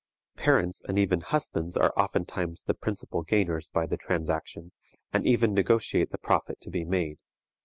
Parents and even husbands are oftentimes the principal gainers by the transaction, and even negotiate the profit to be made.